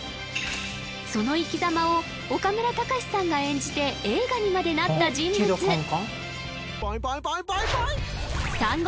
その生きざまを岡村隆史さんが演じて映画にまでなった人物サンゴ